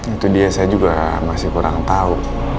itu dia saya juga masih kurang tahu